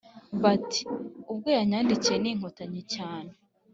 Bati “ubwo yanyagiwe n’Inkotanyi cyane “